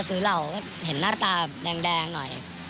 ก็ซื้อเหล่าก็เห็นน่าตาแดงหน่อย